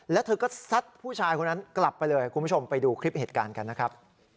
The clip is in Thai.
แล้วเธอก็ซัดผู้ชายคนนั้นกลับไปเลยคุณผู้ชมไปดูคลิปเหตุการณ์กันนะครับ